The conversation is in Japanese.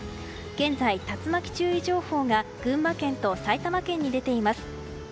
現在、竜巻注意情報が群馬県と埼玉県に出ています。